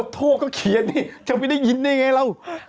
โทษก็เขียนนี่เธอไม่ได้ยินได้ยังไงเรา